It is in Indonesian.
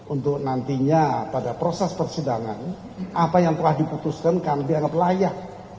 untuk nantinya pada proses persidangan apa yang telah diputuskan kami dianggap layak